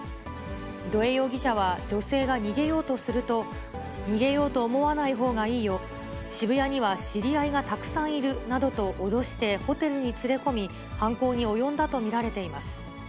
土江容疑者は女性が逃げようとすると、逃げようと思わないほうがいいよ、渋谷には知り合いがたくさんいるなどと脅してホテルに連れ込み、犯行に及んだと見られています。